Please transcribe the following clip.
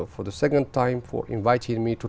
vì hãy gặp tôi để nói về chuyện đó